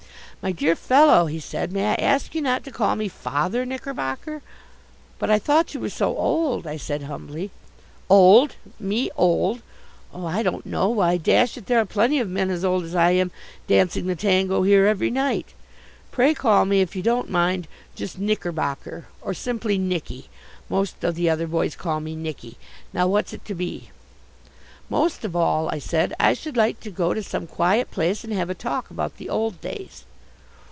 "My dear fellow," he said. "May I ask you not to call me Father Knickerbocker?" "But I thought you were so old," I said humbly. "Old! Me old! Oh, I don't know. Why, dash it, there are plenty of men as old as I am dancing the tango here every night. Pray call me, if you don't mind, just Knickerbocker, or simply Knicky most of the other boys call me Knicky. Now what's it to be?" "Most of all," I said, "I should like to go to some quiet place and have a talk about the old days."